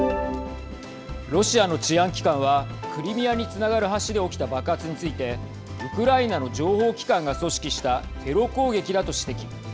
ロシアの治安機関はクリミアにつながる橋で起きた爆発についてウクライナの情報機関が組織したテロ攻撃だと指摘。